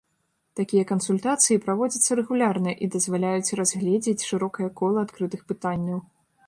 Такія кансультацыі праводзяцца рэгулярна і дазваляюць разгледзець шырокае кола адкрытых пытанняў.